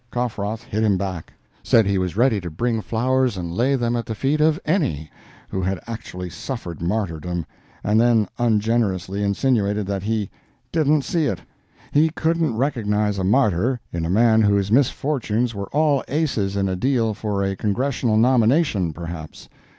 Coffroth hit him back; said he was ready to bring flowers and lay them at the feet of any who had actually suffered martyrdom, and then ungenerously insinuated that he "didn't see it." He couldn't recognize a martyr in a man whose misfortunes were all aces in a deal for a Congressional nomination, perhaps.